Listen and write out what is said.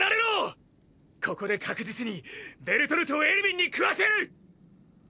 ここで確実にベルトルトをエルヴィンに食わせる！！